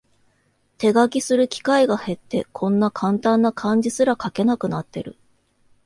手書きする機会が減って、こんなカンタンな漢字すら書けなくなってる